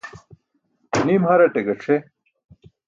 Nim haraṭe gac̣ʰe.